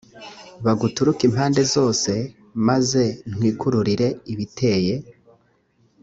baguturuke impande zose maze ntwikururire ibiteye